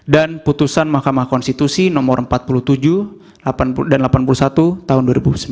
putusan mahkamah konstitusi nomor empat puluh tujuh dan delapan puluh satu tahun dua ribu sembilan